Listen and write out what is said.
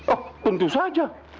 oh tentu saja